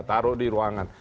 taruh di ruangan